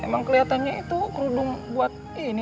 emang kelihatannya itu kerudung buat ini